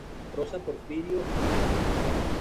Rosa Porfirio a su cargo.